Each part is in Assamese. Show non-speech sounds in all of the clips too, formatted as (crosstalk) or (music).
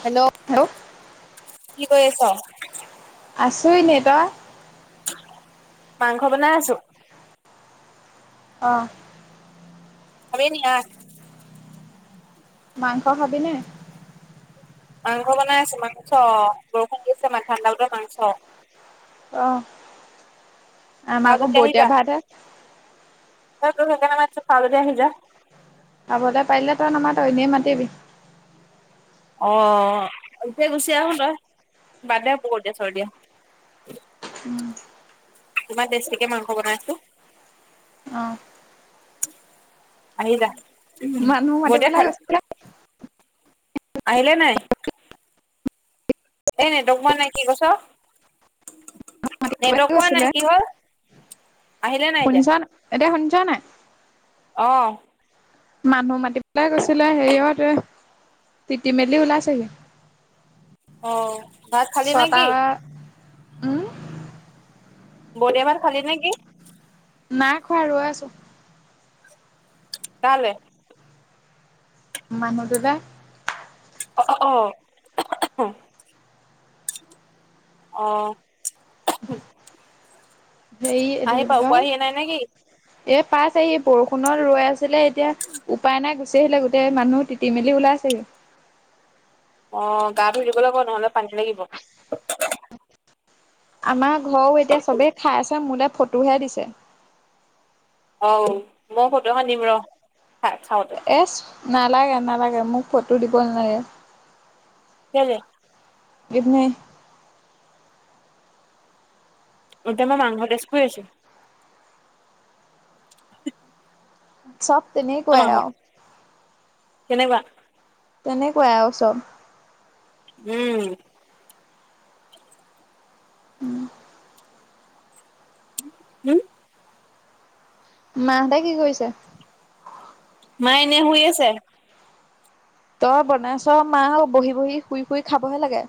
হেল্ল'! কি কৰি আছ? আছো এনে। তই? মাংস বনাই আছো। অ'। খাবি নি আহ। মাংস খাবি নে? মাংস বনাই আছো মাংস বৰষুণ দি আছে নাই ঠাণ্ডা বতৰ মাংস। অ'। খাৱ যদি আহি জা ঐ তোক সেইকাৰণে মাতিছো খাৱ যদি আহিজা। খাবলৈ পাৰিলে তই নামাত এনে মাতিবি। অ' এতিয়া গুচি আহো তই বাদ দে বৰত দিয়া চৰত দিয়া। (inaudible) ইমান টেষ্টিকে মাংস বনাইছোঁ। অঁ আহিবা (unintelligible) মানুহ বনে মাতিবলৈ খালো। গৈছিলে আহিলে নাই? এ নেটৱৰ্ক পোৱা নাই কি কৈছ? মাতিবলৈ নেটৱৰ্ক পোৱা নাই কি হল? আহিলে এতিয়া? শুনিছা নাই এতিয়া শুনিছনে নাই। অ'। মানুহ মাতি পেলাই গৈছিলে হেৰিয়তে তিটি মেলি ওলাইছে হি। অ', ভাত খালি নে ছটা কি? উম ব (unintelligible) ন এবাৰ খালি নেকি নাই খোৱা ৰৈ আছোঁ। কালে? মানুহতোলে। অ', অ'। অ', হেৰি আহি পাও পোৱাহিয়ে নাই নে কি? এ পাছেহি বৰষুণ ৰৈ আছিলে এতিয়া উপায় নাই গুচি আহিলে গোটেই মানুহ তিতি মেলি ওলাইছেহি। অ', গা ধুই দিব লাগিব নহ'লে পানী লাগিব। আমাৰ ঘৰও এতিয়া চবেই খাই আছে মোলে ফটোহে দিছে। অ', মই ফটো এখন দিম ৰহ। এচ নালাগে নালাগে মোক ফটো দিব নালাগে। কেলে। এনেই। এতিয়া মই মাংস তেচ কৰি আছোঁ চব তই তেনেকো মাংস আৰু। কেনেকুৱা। তেনেকুৱাই আৰু চব। উম। উম। উম। মাহঁতে কি কৰিছে? মা এনে শুই আছে। তই বনাইছ মা বহি বহি শুই শুই খাবহে লাগে।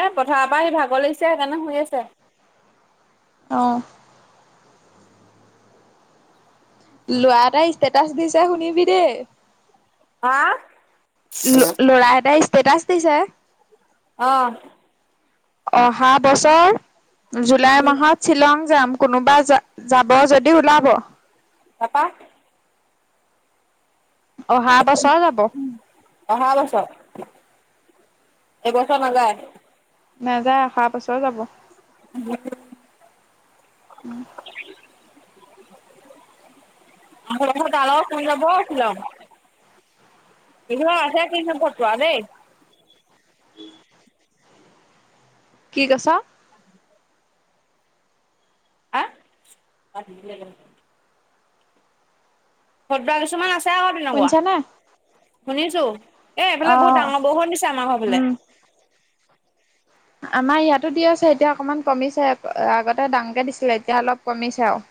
এ পথাৰৰ পৰা সি ভাগৰ লাগিছে সেইকাৰণে শুই আছে। অ'। ল'ৰা এটাই ষ্টেটাচ দিছে শুনিবি দেই। হা ল'ৰা এটাই ষ্টেটাচ দিছে। অ'। অহা বছৰ জুলাই উম মাহত শ্বিলং যাম কোনোবা যা যাব যদি ওলাব। তাপা। অহা বছৰ যাব। অহা বছৰ এবছৰ নাযায়। নাযায় অহা বছৰ যাব। (unintelligible) (unintelligible) (unintelligible) আহে কিন্তু ভতটোৱা দেই। কি কৈছ? আহ (inaudible) ভদ্ৰা কিছুমান আছে। আছে আকৌ তেনেকুৱা শুনিছানে? শুনিছো, এ এইফালে বহুত অ', ডাঙৰ বৰষুণ দিছে আমাৰ ঘৰ ফালে। উম, আমাৰ ইয়াতো দি আছে এতিয়া অকমান কমিছে আগতে ডাঙকে দিছিলে এতিয়া অলপ কমিছে আও।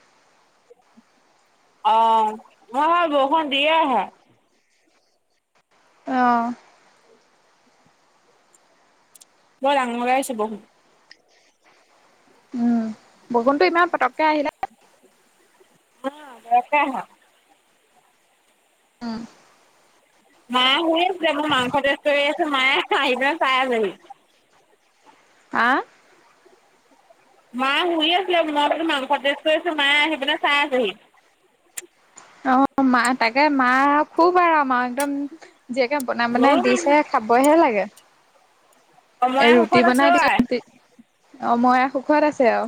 অ হয় হয় বৰষুণ দিয়ে আহে। অ। বৰ ডাঙৰকে আহিছে বৰষুণ। উম বৰষুণটো ইমান পতককে আহিলে (unintelligible) অ। মায়ে শুই আছে মই মাংস টেস্ত কৰি আছো মায়ে হাহি পেলাই চাই আছেহি। আহ? মায়ে শুই আছিলে, মই বোলো মাংস টেষ্ট কৰি আছো মায়ে আহি পিনে চাই আছেহি। অ মা তাকে মা খুব আৰু মা একদম জীয়েকে বনাই বনাই দিছে। খাবহে লাগে। এ মই ৰুটি সুখত আছো বনাই আই দিয়ে, অময়া সুখত আছে আও।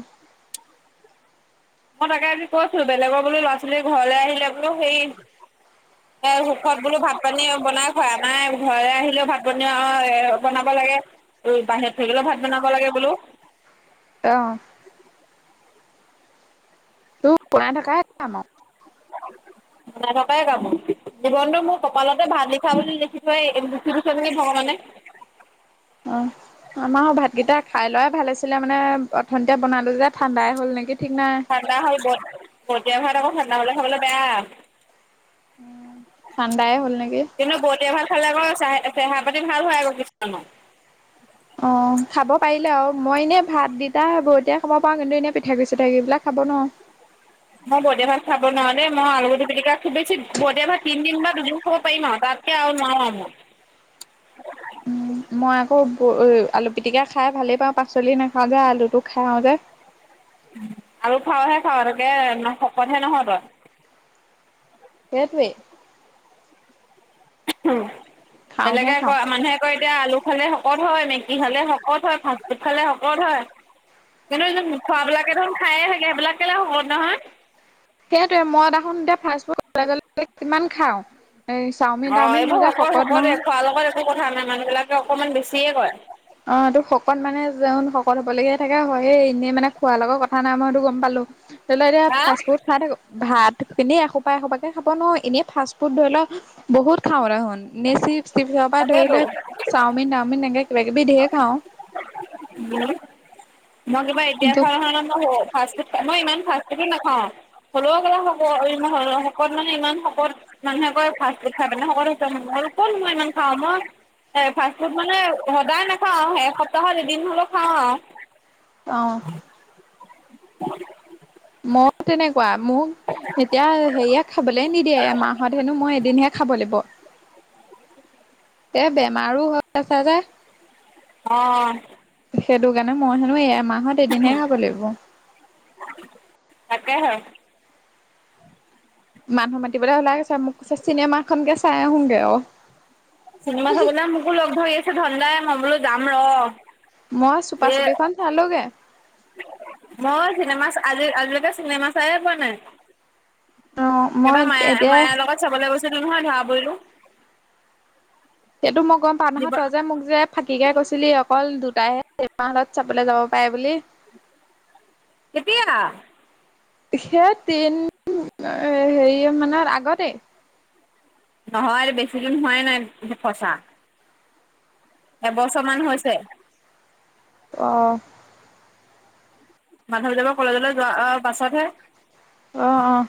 মই তাকে আজি কৈছো বেলেগৰ বোলো ল'ৰা ছোৱালীৰ ঘৰলে আহিলে বোলো হেই এ সুখত বোলো ভাত পানী বনাই খোৱাই, আমাৰ এ ঘৰলে আহিলেও ভাত পানী অ বনাব লাগে। উম বাহিৰত থাকিলেও ভাত বনাব লাগে বোলো। অ। তোৰ বনাই থকাই কাম আও। বনাই থকাই কাম মোৰ, জীৱনটো মোৰ কপালতে ভাত লিখা বুলি লিখি থৈ লিখি গৈছে নেকি ভগৱানে? অঁ। আমাৰও ভাতকেইটা খাই লোৱাই ভাল আছিলে মানে অথনিতে বনালো যে ঠাণ্ডাই হল নেকি ঠিক নাই। ঠাণ্ডা হ'ল বত বদিয়া ভাত আক ঠাণ্ডা হলে খাবলে বেয়া। উম। ঠাণ্ডাই হ'ল নেকি? কিন্তু বতিয়া ভাত খালে আক চাহ চেহেৰা পাতি ভাল হয় আক কিছুমানৰ। অঁ খাব পাৰিলে আও, মই এনেই ভাত দিতা বৰতিয়াই খাব পাৰো, কিন্তু এনেই পিঠা গুৰি চিঠা গুৰি বিলাক খাব নোৱাৰোঁ। মই বদিয়া ভাত খাব নোৱাৰো দেই, মই আলু পিটিকা খুব বেছি বদিয়া ভাত তিনদিন বা দুদিন খাব পাৰিম আও তাত কে আৰু নোৱাও আও মই। উম, মই আকৌ ঔ আলু পিটিকা খাই ভালেই পাওঁ পাচলি নাখাও যে আলুটো খাইও যে। আলু খাৱহে খাও তাকে শকতহে নহ তই। এইটোৱেই। উ খাওঁহে বেলেগে ক খাওঁ মানুহে এতিয়া আলু খালে শকত হয়, মেগী খালে শকত হয়, ফাষ্টফুড খালে শকত হয়। কিন্তু যোন খোৱাবিলাকে দেখোন খায়ে থাকে সেইবিলাক কেলে শকত নহয়? সেইটোৱে মই দেখোন এতিয়া ফাষ্ট ফুড কলেজলে গলে কিমান খাওঁ। চাওমিন অ তাওমিন মই এইবোৰ যে শকত শকতেই, নহয়। খোৱাৰ লগত একো কথা নাই মানুহ বিলাকে অকমান বেছিয়ে কয়। অ এইটো শকত মানে যন শকত হবলগীয়া থাকে হয়েই এনেই মানে খোৱাৰ লগৰ কথা নাই, মই সেইটো গম পালো। তেনেহ'লে এতিয়া হা ফাষ্ট ফুড খাই থাকো। ভাত এনে এসোপা এসোপাকে খাব নোৱাৰো, এনে ফাষ্ট ফুড ধৰি লওক বহুত খাওঁ দেখুন। এ চিপ চিপচৰ পৰা ধৰি তাকেতো লৈ চাওমিন-ঠাওমিন এনেকে কিবা কিবি ঢেৰ খাওঁ। উম' মই কিবা এতিয়া কিন্তু খোৱা নহয় ন। ফাষ্ট ফুড, মই ইমান ফাষ্ট ফুডো নাখাওঁ। হ'ল কিবা হ'ব শকত মানে ইমান শকত মানুহে কয় ফাষ্ট ফুড খায় পিনে শকত হৈছ, মইনো ক'ত মই ইমান খাওঁ মই এ ফাষ্ট ফুড মানে সদায় নাখাওঁ, এসপ্তাহত এদিন হ'লেও খাওঁ আৰু। অ' (unintelligible) মই তেনেকুৱা মোক এতিয়া হেৰিয়ে খাবলে নিদিয়ে, মাহত হেনো মই এদিনহে খাব লাগিব। তে বেমাৰো হৈ আছা যে। অ' সেইটো কাৰণে মই হেনো এমাহত এদিনহে খাব লাগিব। তাকেহে মানুহ মাতিবলৈ ওলাই আহিছে, মোক কৈছে চিনেমাখনকে চাই আহোঁগৈ অ'। চিনেমা চাবলৈ মোকো লগ ধৰি আছে ধন দাই, মই বোলো যাম ৰ। মই চুপা এ চুপি খন চালোগে। মই চিনেমা আজি আজিলৈকে চিনেমা চাইয়ে পোৱা নাই। অ মই এইবাৰ মায়া এতিয়া মায়াৰ লগত চাবলৈ গৈছিলোঁ নহয় ধৰা পৰিলোঁ। সেইটো মই গম পাওঁ জীৱ নহয়, তই যে মোক যে ফাঁকীকে কৈছিলি অকল দুটাইহে চিনেমা হ'লত চাবলৈ যাব পাৰে বুলি। কেতিয়া? সেই তিন হেৰি মানৰ আগতে নহয় এইটো বেছি দিন হোৱাই নাই ফচা। এবছৰ মান হৈছে। অ' মানুহজনৰ কলেজলৈ যোৱা বাছতহে। অ' অ'।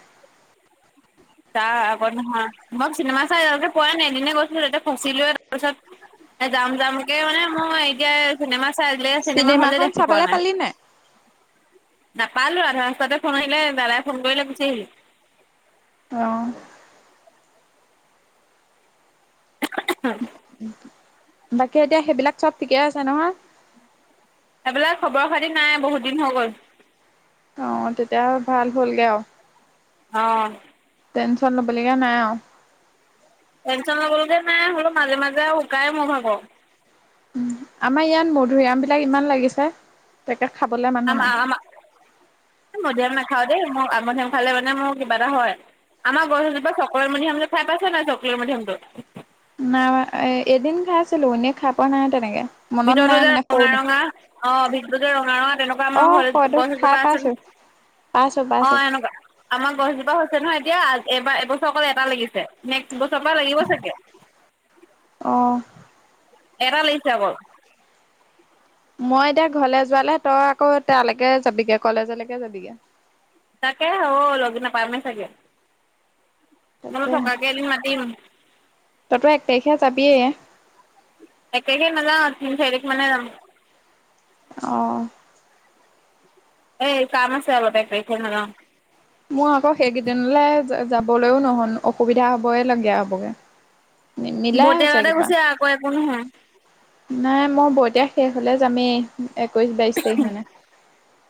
তাৰ আগত নহয় মই চিনেমা চাই আজিলৈকে পোৱা নাই, এদিনে গৈছিলোঁ তাতে ফচিলোৱে তাৰপিছত এ যাম যামকে মানে মই এতিয়া চিনেমা চাই আজিলৈকে চিনেমা হলে চিনেমাখন দেখি পোৱা চাবলৈ নাই। পালি নাপালো, আধা ৰাস্ততে ফোন আহিলে দাদাই ফোন কৰিলে গুচি আহিলোঁ। অ' বাকী এতিয়া সেইবিলাক চব ঠিকে আছে নহয়। এইবিলাক খবৰ-খাতি নাই বহুত দিন হৈ গ'ল। অ' তেতিয়া ভাল হ'লগে আৰু। অ টেনশন ল'বলগীয়া নাই আৰু। টেনশন ল'বলগীয়া নাই, হ'লেও মাজে-মাজে আৰু উকাই মোৰ ভাগৰ। আমাৰ ইয়াত মধুৰিআম বিলাক ইমান লাগিছে। তাকে খাবলে মান আমাৰ-আমাৰ এই মধুৰিআম নাখাওঁ দেই, মোৰ মধুৰিআম খালে মানে মোৰ কিবা এটা হয়। আমাৰ গছজোপা চকলেট মধুৰিআম খাই পাইছে নাই, চকলেট মধুৰিআমটো। নাই এ এদিন খাই আছিলোঁ, এনে খায় পোৱা নাই তেনেকে। মনত ভিতৰতো নাই যে মানে ৰঙা সৰুতে ৰঙা অ ভিতৰতো যে ৰঙা ৰঙা তেনেকুৱা অ আমাৰ ঘৰত হয়তো গছ খাই এজোপা আছে পাইছো পাইছো পাইছো অ' এনেকুৱা আমাৰ গছজোপা হৈছে নহয় এতিয়া এবাৰ এবছৰ এটা লাগিছে নেক্সট বছৰ পৰা লাগিব চাগে অ এটা লাগিছে অকল মই এতিয়া ঘৰলে যোৱালে তই আকৌ তালেকে যাবিগে কলেজলেকে যাবিগে তাকে অ লগ নাপামেই চাগে মই বোলো তাকে থকাকে এদিন মাতিম তইতো এক তাৰিখে যাবিয়ে এক তাৰিখে নাজাও তিনি চাৰি তাৰিখ মানে যাম। অ এই কাম আছে অলপ এক তাৰিখে নাজাও মোৰ আকৌ সেইকেইদিনলে যাবলৈও নহ'ন অসুবিধা হবই লগীয়া হ'বগে মিলাই হৈছে বটেবাতে কিবা গুচি আ, আক একো নহয় নাই মই বৈতিয়া শেষ হলে যামেই একৈশ বাইশ তাৰিখ মানে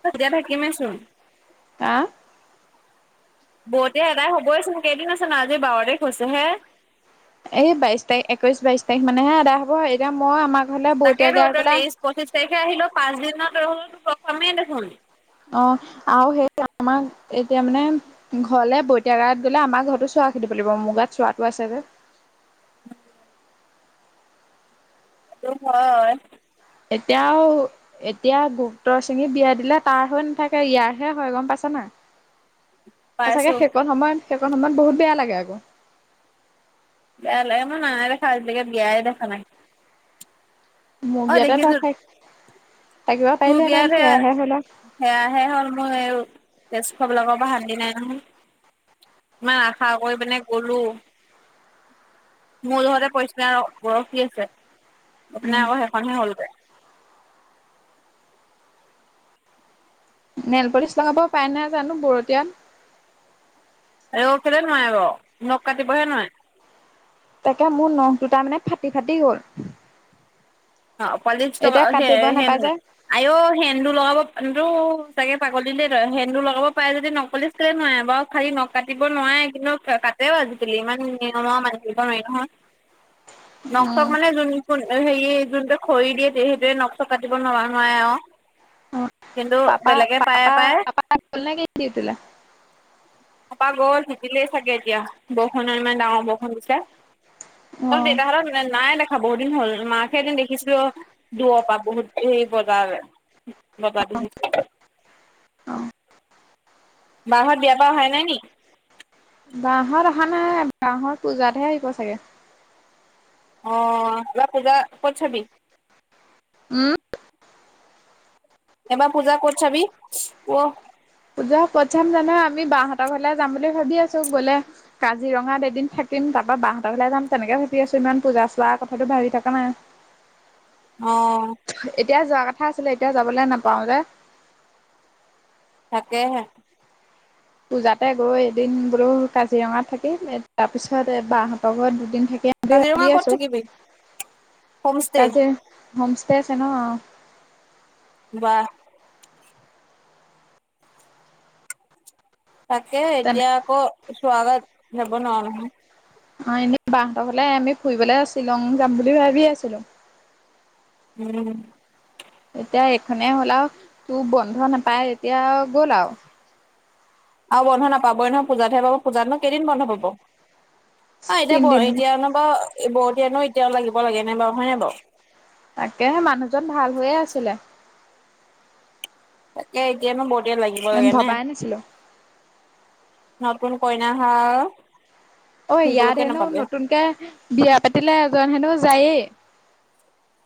তেতিয়া থাকিমেই চোন আহ বৈতীয়া এডাই হ'বই চোন কেইদিন আছে ন আজি বাৰ তাৰিখ হৈছে হে এই বাইশ তাৰিখ একৈশ বাইশ তাৰিখ মানেহে আদা হ'ব এতিয়া মই আমাৰ ঘৰলে বৈতীয়া তাকেতো গাই তই কলা তেইশ পঁচিশ তাৰিখে আহিলও পাঁচ দিনত ৰলো তো প্ৰথমেই দেখোন অ আৰু সেই আমাক এতিয়া মানে ঘৰলে বৈতিয়া গাৰত গ'লে আমাৰ ঘৰতো চোৱা খেদিব লাগিব মোৰ গাত চোৱাটো আছে যে হয় এতিয়াও এতিয়া গুপ্ত সিঙী বিয়া দিলে তাৰ হৈ নাথাকে ইয়াৰহে হয় গম পাইছা নাই সচাকে পাইছো সেইকণ সময়ত সেইকণ সময়ত বহুত বেয়া লাগে আকৌ বেয়া লাগে মই নাইয়ে দেখা আজিলৈকে বিয়াই দেখা নাই ম অ বিয়াতে তই দেখিছো থাক থাকিব তোৰ বিয়াত পাৰিলেহেতেন হে সেয়াহে হ'ল সেয়াহে হ'ল মোৰ এই তেজখোৱা বিলাকৰ পৰা শান্তি নাই নহয় ইমান আশা কৰি পিনে গ'লো মোৰ ঘৰতে পৰিশমিতা বৰশী আছে আৰু এইপিনে আকৌ সেইখনহে হ'লগে নেলপলিচ লগাব পাই নাই জানো বৰটীয়াত আৱৈ কেলে নোৱাৰে ব নখ কাটিবহে নোৱাই তাকে মোৰ নখ দুটাৰ মানে ফাটি ফাটি গ'ল অ পলিছ থকা এতিয়া সে কাটিব সে ন নাপাই যে আৱৈ' সেন্দু লগাব (unintelligible) টো চাগে পাগলী দেই তই সেন্দু লগাব পাৰে যদি নকপালিছ কালে নোৱাৰে বাও খালি ন কাটিব নোৱাৰে কিন্তু কাটেও আজিকালি ইমান নিয়ম মানি থাকিব নোৱাৰি নহয় নক চক উম, মানে যোন হেৰি যোনটো খৰি দিয়ে তে সেইটোৱে নক চক কাটিব নোৱা নোৱাৰে অ কিন্তু পাপা বেলেগে পায় পাপা পায় পাপা গ'ল নেকি ডিউটিলে পাপা গ'ল ভিজিলেই চাগে এতিয়া বৰষুণৰ ইমান ডাঙৰ বৰষুণ দিছে অকল অ', দেউতা হতন মানে নাই দেখা বহুত দিন হ'ল মাকহে এদিন দেখিছিলো দূৰৰ পৰা বহুত হেৰি বজাৰ বাবাটো শুইছে অ'। বাহত বিয়া পা অহাই নাই নি বাহঁত অহা নাই বাহঁত পূজাতহে আহিব চাগে। অ এবা পূজা ক'ত চবি? উম এবাৰ পূজা ক'ত চাবি ওৱ পূজা ক'ত চাম জানা আমি বাহঁতৰ ঘৰলে যাম বুলি ভাবি আছো গ'লে কাজিৰঙাত এদিন থাকিম তাৰ পৰা বাহঁতৰ ঘৰলে যাম তেনেকে ভাবি আছো ইমান পূজা চোৱা কথাটো ভাবি থকা নাই। অ এতিয়া যোৱা কথা আছিলে এতিয়া যাবলে নাপাওঁ যে। তাকেহে পূজাতে গৈ এদিন বোলো কাজিৰঙাত থাকিম তাৰ পিছত এ বাহঁতৰ ঘৰত দুদিন থাকি- ম বুলি কাজিৰঙা ভাবি ক'ত আছো থাকিবি? হোমষ্টে তাই হোম ষ্টে আছে ন ৱাহ তাকে তেনে এতিয়া আকৌ চোৱালত যাব নোৱাৰো নহয়। অ এনে বাহঁতৰ ঘলে আমি ফুৰিবলে শ্বিলং যাম বুলি ভাবি আছিলো। উম এতিয়া এইখনে হ'ল আৰু তোৰ বন্ধ নাপাই তেতিয়া গ'ল আৰু আৰু বন্ধ নাপাবই নহয় পূজাতহে পাব পূজাতনো কেইদিন বন্ধ পাব। অ এতিয়া ব তিনদিন এতিয়া অলপ বা বৰতিয়ানো এতিয়াও লাগিব লাগে নে বাৰু হয় নাই বাৰু তাকেহে মানুহজন ভাল হৈয়ে আছিলে। তাকে এতিয়ানো বৰ দিয়াত লাগিব আমি লাগে নে ভবাই নাছিলো। নতুন কইনা হা অ ইয়াত হেনো নতুনকে বিয়া পাতিলে এজন হেনো যায়েই।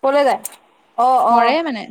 কলৈ যায়। অ', মৰে অ'। মানে